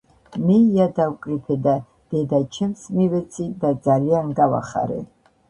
მე ია დავკრიფე და დედა ჩემს მივეცი და ძალიან გავახარე